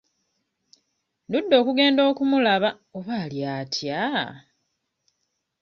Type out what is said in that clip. Ndudde okugenda okumulaba oba ali atya?